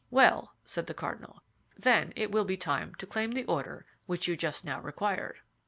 "Well," said the cardinal, "then it will be time to claim the order which you just now required."